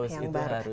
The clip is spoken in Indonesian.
itu harus itu harus